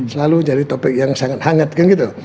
selalu jadi topik yang sangat hangat kan gitu